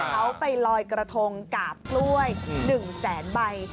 เขาไปลอยกระทงกาบกล้วย๑แสนใบ